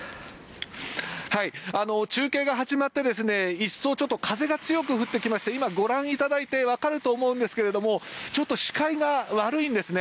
中継が始まって一層風がちょっと強く吹いてきまして今、ご覧いただいてわかると思うんですがちょっと視界が悪いんですね。